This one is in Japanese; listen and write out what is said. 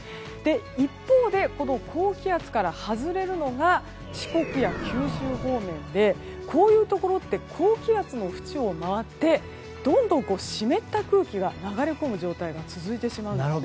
一方でこの高気圧から外れるのが四国や九州方面でこういうところって高気圧のふちを回ってどんどん湿った空気が流れ込む状態が続いてしまうんですね。